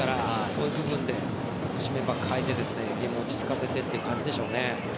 そういう部分でメンバーを代えてゲームを落ち着かせてという感じでしょうね。